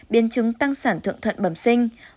biên chứng tăng sản thượng thuận bẩm sinh